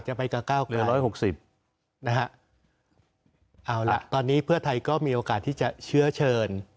เหลือร้อยหกสิบนะฮะเอาหละตอนนี้เพื่อไทยก็มีโอกาสที่จะเชื้อเชิญ